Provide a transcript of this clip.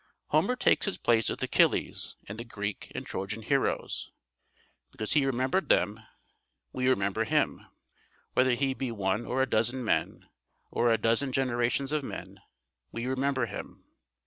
Homer takes his place with Achilles and the Greek and Trojan heroes. Because he remembered them, we remember him. Whether he be one or a dozen men, or a dozen generations of men, we remember him.